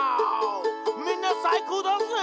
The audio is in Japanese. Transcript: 「みんなさいこうだぜ！」